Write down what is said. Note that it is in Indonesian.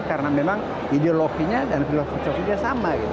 karena memang ideologinya dan filosofinya sama